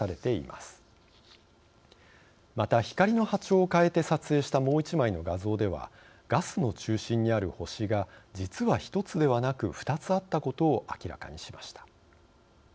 また、光の波長を変えて撮影したもう一枚の画像ではガスの中心にある星が実は１つではなく２つあったことを明らかにしました。